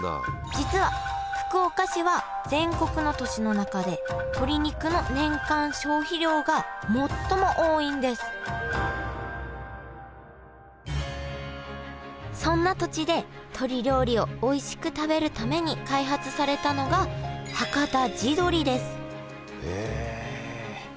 実は福岡市は全国の都市の中で鶏肉の年間消費量が最も多いんですそんな土地で鶏料理をおいしく食べるために開発されたのがはかた地どりですへえ。